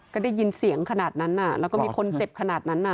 ก็ได้ยินเสียงขนาดนั้นแล้วก็มีคนเจ็บขนาดนั้น